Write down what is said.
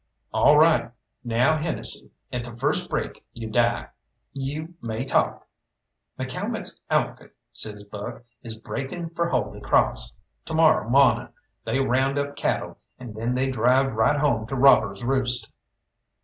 "All right. Now, Hennesy, at the first break you die. You may talk." "McCalmont's outfit," says Buck, "is breaking for Holy Crawss. To morrow mawning they round up cattle, and then they drive right home to Robbers' Roost."